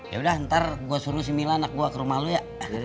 yaudah ntar gue suruh sembilan anak gue ke rumah lo ya